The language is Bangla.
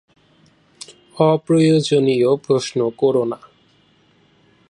অপ্রয়োজনীয় প্রশ্ন করো না।